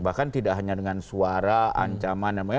bahkan tidak hanya dengan suara ancaman